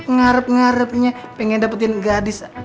ngarep ngarepnya pengen dapetin gadis